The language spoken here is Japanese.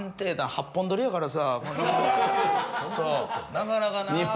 なかなかな。